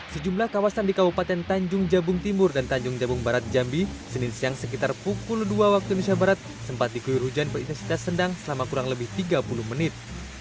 sejumlah kawasan di kabupaten tanjung jabung timur dan tanjung jabung barat jambi senin siang sekitar pukul dua waktu indonesia barat sempat dikuir hujan berintensitas sedang selama kurang lebih tiga puluh menit